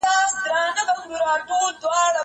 مېوې راټوله!؟